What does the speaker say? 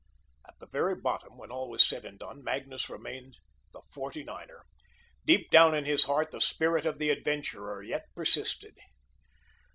At the very bottom, when all was said and done, Magnus remained the Forty niner. Deep down in his heart the spirit of the Adventurer yet persisted.